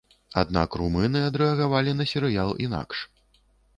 Аднак румыны адрэагавалі на серыял інакш.